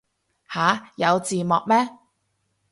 吓有字幕咩